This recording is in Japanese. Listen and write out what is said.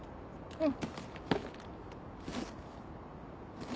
うん。